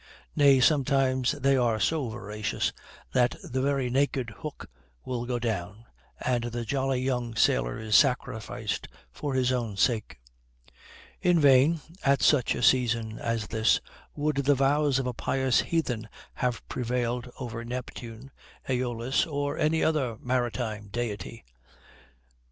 Nay, sometimes they are so voracious, that the very naked hook will go down, and the jolly young sailor is sacrificed for his own sake. In vain, at such a season as this, would the vows of a pious heathen have prevailed over Neptune, Aeolus, or any other marine deity.